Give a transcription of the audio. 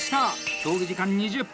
競技時間２０分！